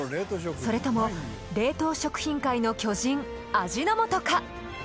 それとも冷凍食品界の巨人味の素か？